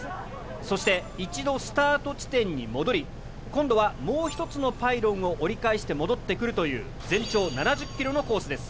そして一度スタート地点に戻り今度はもう１つのパイロンを折り返して戻ってくるという全長７０ｋｍのコースです。